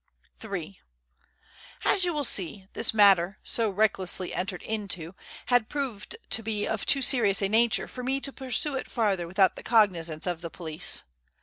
III As you will see, this matter, so recklessly entered into, had proved to be of too serious a nature for me to pursue it farther without the cognizance of the police.